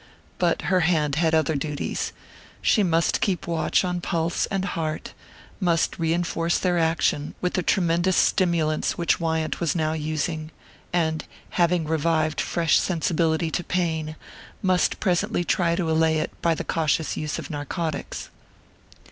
But her hand had other duties; she must keep watch on pulse and heart, must reinforce their action with the tremendous stimulants which Wyant was now using, and, having revived fresh sensibility to pain, must presently try to allay it by the cautious use of narcotics.